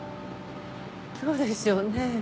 どうでしょうね。